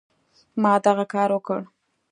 ما دغه کار وکړ.